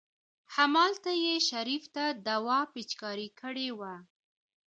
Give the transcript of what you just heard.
همالته يې شريف ته دوا پېچکاري کړې وه.